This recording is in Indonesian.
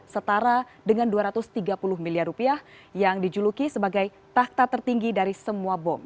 setara dengan dua ratus tiga puluh miliar rupiah yang dijuluki sebagai takta tertinggi dari semua bom